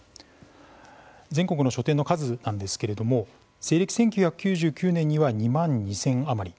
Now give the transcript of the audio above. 全国の書店の数なんですけれども西暦１９９９年には２万２０００余り。